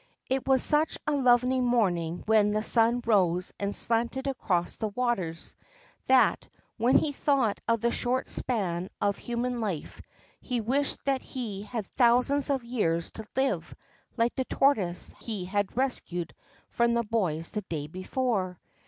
It was such a lovely morning when the sun rose and slanted across the waters, that, when he thought of the short span of human life, he wished that he had thousands of years to live, like the tortoise he had rescued from the boys the day before.